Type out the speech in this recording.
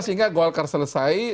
sehingga golkar selesai